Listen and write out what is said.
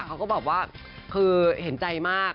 เขาก็บอกว่าคือเห็นใจมาก